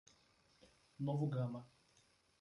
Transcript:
Novo Gama